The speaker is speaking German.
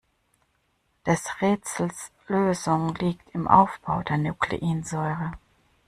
Des Rätsels Lösung liegt im Aufbau der Nukleinsäure.